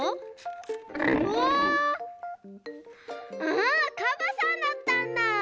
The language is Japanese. あカバさんだったんだ。